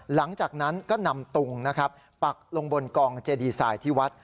หลังจากนั้นก็นำตุงนะครับปักลงบนกองเจดีไซน์ที่วัด